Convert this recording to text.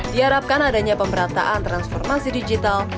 diharapkan adanya pemerataan transformasi digital